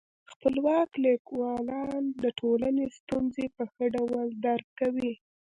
خپلواک لیکوالان د ټولني ستونزي په ښه ډول درک کوي.